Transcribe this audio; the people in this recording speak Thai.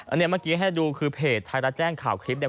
อันนี้เมื่อกี้ให้ดูคือเพจไทยรัฐแจ้งข่าวคลิปเนี่ย